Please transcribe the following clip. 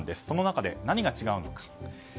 その中で何が違うのか。